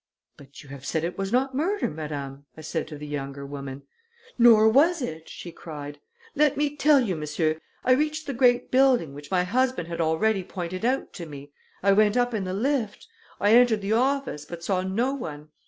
"But you have said it was not murder, madame," I said to the younger woman. "Nor was it!" she cried. "Let me tell you, monsieur. I reached the great building, which my husband had already pointed out to me; I went up in the lift; I entered the office, but saw no one.